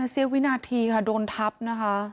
เสียวินาทีค่ะโดนทับนะคะ